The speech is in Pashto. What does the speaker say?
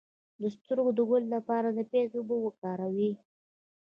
د سترګو د ګل لپاره د پیاز اوبه وکاروئ